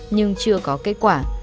nhưng chưa có kết quả